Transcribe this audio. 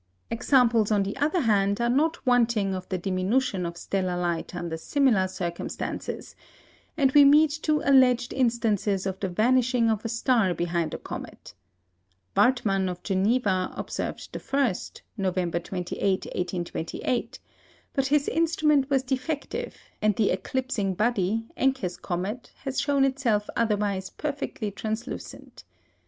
Examples, on the other hand, are not wanting of the diminution of stellar light under similar circumstances; and we meet two alleged instances of the vanishing of a star behind a comet. Wartmann of Geneva observed the first, November 28, 1828; but his instrument was defective, and the eclipsing body, Encke's comet, has shown itself otherwise perfectly translucent.